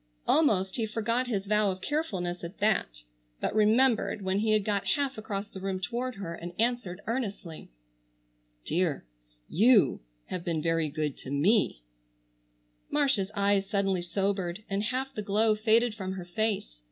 Almost he forgot his vow of carefulness at that, but remembered when he had got half across the room toward her, and answered earnestly: "Dear, you have been very good to me." Marcia's eyes suddenly sobered and half the glow faded from her face.